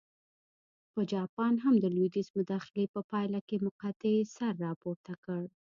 په جاپان هم د لوېدیځ مداخلې په پایله کې مقطعې سر راپورته کړ.